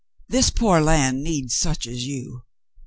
This poor land needs such as you."